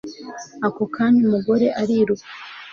ako kanya umugore ariruka